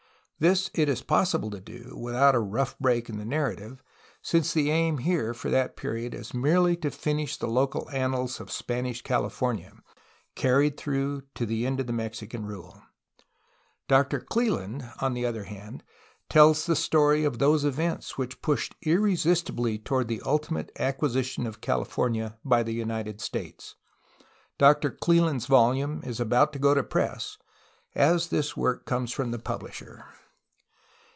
This it is possible to do, without a rough break in the narrative, since the aim here for that period is merely to finish the local annals of Spanish California, carried through to the end of Mexican rule. Doctor Cleland, on the other hand, tells the story of those events which pushed irresistibly toward the ultimate acquisition of California by the United States. Doctor Cleland' s volume is about to go to press, as this work comes from the publisher.